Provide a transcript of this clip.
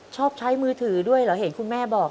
ชอบใช้มือถือด้วยเหรอเห็นคุณแม่บอก